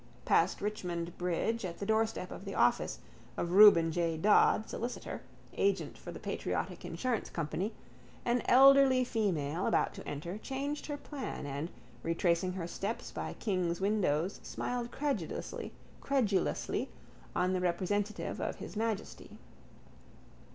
Past Richmond bridge at the doorstep of the office of Reuben J Dodd, solicitor, agent for the Patriotic Insurance Company, an elderly female about to enter changed her plan and retracing her steps by King's windows smiled credulously on the representative of His Majesty.